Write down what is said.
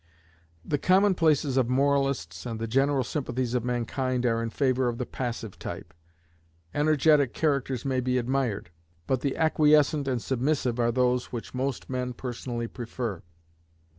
The commonplaces of moralists and the general sympathies of mankind are in favor of the passive type. Energetic characters may be admired, but the acquiescent and submissive are those which most men personally prefer.